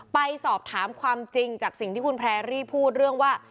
ไปสอบถามความจริงจากสิ่งที่คุณแพรรี่พูดเรื่องว่า